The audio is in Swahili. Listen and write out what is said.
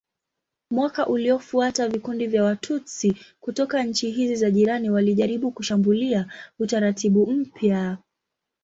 Mwaka uliofuata vikundi vya Watutsi kutoka nchi hizi za jirani walijaribu kushambulia utaratibu mpya.